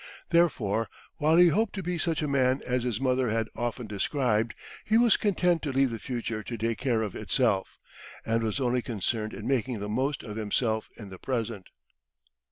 Therefore, while he hoped to be such a man as his mother had often described, he was content to leave the future to take care of itself, and was only concerned in making the most of himself in the present.